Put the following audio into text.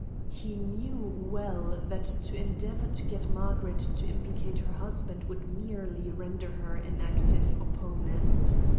He knew well that to endeavour to get Margaret to implicate her husband would merely render her an active opponent.